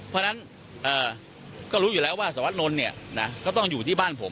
เพราะฉะนั้นก็รู้อยู่แล้วว่าสวัสดนนท์เนี่ยนะก็ต้องอยู่ที่บ้านผม